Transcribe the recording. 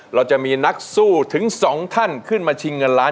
เราจะมีนักสู้ถึงสองท่านขึ้นมาชิงเงินล้าน